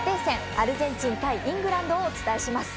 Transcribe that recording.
アルゼンチン対イングランドをお伝えします。